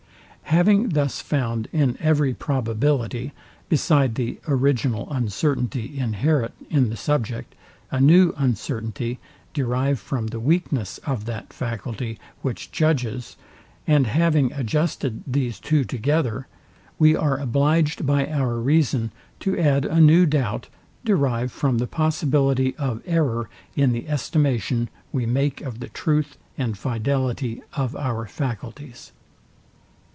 Having thus found in every probability, beside the original uncertainty inherent in the subject, a new uncertainty derived from the weakness of that faculty, which judges, and having adjusted these two together, we are obliged by our reason to add a new doubt derived from the possibility of error in the estimation we make of the truth and fidelity of our faculties.